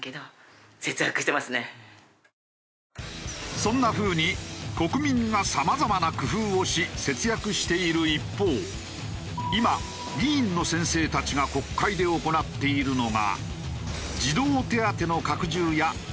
そんな風に国民がさまざまな工夫をし節約している一方今議員の先生たちが国会で行っているのが。